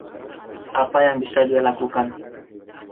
Apa yang bisa dia lakukan?